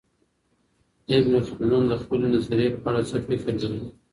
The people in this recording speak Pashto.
ابن خلدون د خپلې نظریې په اړه څه فکر لري؟